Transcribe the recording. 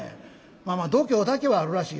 まあまあ度胸だけはあるらしいな。